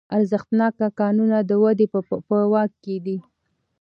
ارزښتناک کانونه د دوی په واک کې دي